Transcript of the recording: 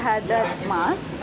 saya memiliki masker itu